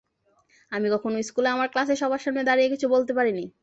আমি কখনো স্কুলে আমার ক্লাসে সবার সামনে দাঁড়িয়ে কিছু বলতে পারিনি।